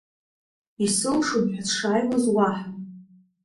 Исылшом ҳәа сшааиуаз уаҳа…